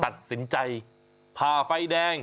ตัดสินใจผ่าไฟแดง